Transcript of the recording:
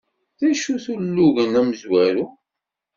D acu-t ulugen amezwaru?